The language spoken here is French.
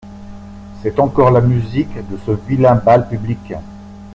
C’est encore la musique de ce vilain bal public…